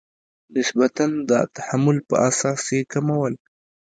نسبتا د تحمل په اساس یې کمول.